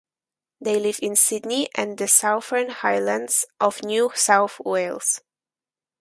They live in Sydney and the Southern Highlands of New South Wales.